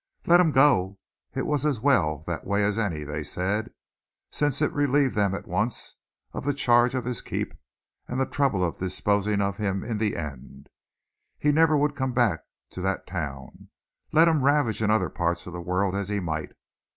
Let him go; it was as well that way as any, they said, since it relieved them at once of the charge of his keep and the trouble of disposing of him in the end. He never would come back to that town, let him ravage in other parts of the world as he might.